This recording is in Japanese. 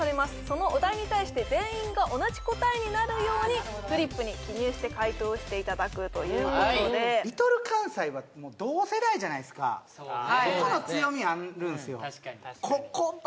そのお題に対して全員が同じ答えになるようにフリップに記入して回答していただくということでそこの強みあるんですよ